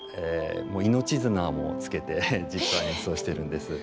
命綱もつけて実際にそうしてるんです。